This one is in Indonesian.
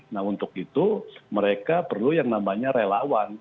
nah untuk itu mereka perlu yang namanya relawan